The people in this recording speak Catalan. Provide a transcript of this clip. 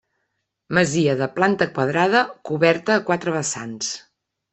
Masia de planta quadrada coberta a quatre vessants.